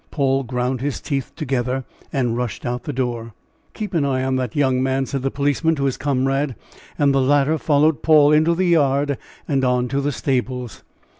Paul ground his teeth together and rushed out of the door. "Keep an eye on that young man," said the policeman to his comrade, and the latter followed Paul into the yard and on to the stables.